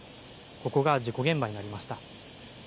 ここが事故現場になりました。